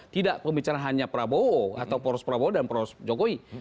tidak pembicaraan hanya prabowo atau poros prabowo dan poros jokowi